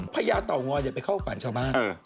พญาเต๋องออย่าไปเข้าฝ่านชาวบ้าน